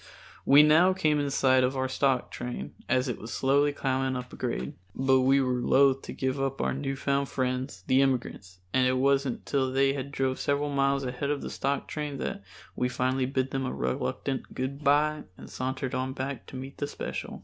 We now came in sight of our stock train as it was slowly climbing a grade, but we were loath to give up our new found friends, the immigrants, and it wasn't till they had drove several miles ahead of the stock train that we finally bid them a reluctant good bye and sauntered on back to meet the special.